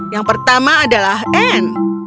yang pertama adalah anne